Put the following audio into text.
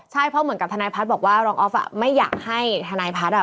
ใช่เพราะเหมือนกับทนายพัฒน์บอกว่ารองออฟไม่อยากให้ทนายพัฒน์